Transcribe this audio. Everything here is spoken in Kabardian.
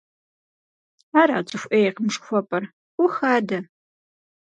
Ара цӀыху Ӏейкъым жыхуэпӀэр? Ӏух адэ!